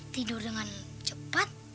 tidur dengan cepat